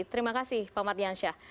terima kasih pak mardiansyah